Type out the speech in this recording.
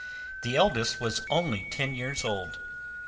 The eldest was only ten years old.